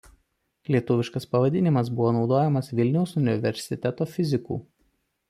Lietuviškas pavadinimas buvo naudojamas Vilniaus Universiteto fizikų.